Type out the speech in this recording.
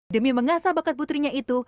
demi mengasah bakat putrinya itu